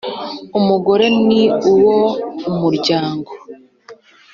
Umugore ni uwo umuryango.